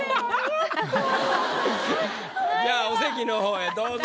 じゃあお席の方へどうぞ。